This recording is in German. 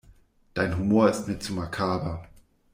Dein Humor ist mir zu makaber.